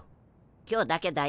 今日だけだよ。